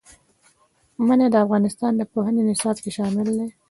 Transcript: منی د افغانستان د پوهنې نصاب کې شامل دي.